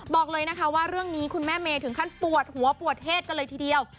บอกเลยนะคะว่าเรื่องนี้คุณแม่เมย์ถึงขั้นปวดหัวปวดเทศกันเลยทีเดียว